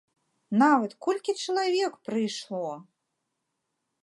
Нават колькі чалавек прыйшло!